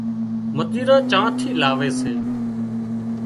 متيران چانئين ٿِي لاوي سي